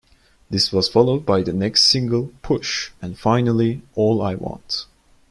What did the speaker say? This was followed by the next single "Push" and finally "All I Want".